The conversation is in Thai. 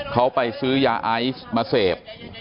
เขาไปซื้อยาไอซ์มาเสพ